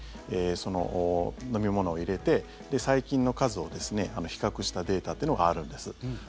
その飲み物を入れて細菌の数を比較したデータというのがあるんです。